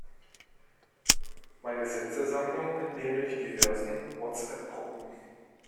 Meine Sätzesammlung entnehme ich diversen Whatsappgruppen.